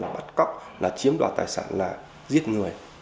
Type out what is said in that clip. bắt cóc là chiếm đoạt tài sản là giết người